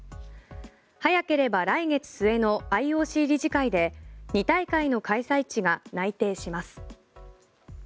早ければ来月末のＩＯＣ理事会で２大会の開催地が内定します。